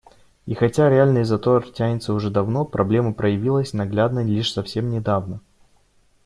И хотя реальный затор тянется уже давно, проблема проявилась наглядно лишь совсем недавно.